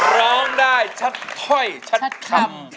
ร้องได้ชัดถ้อยชัดคำ